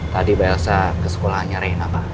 tadi bayel sa ke sekolahnya reina pak